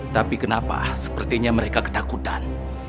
tapi kenapa sepertinya mereka ketakutan